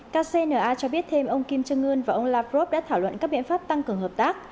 kcna cho biết thêm ông kim jong un và ông lavrov đã thảo luận các biện pháp tăng cường hợp tác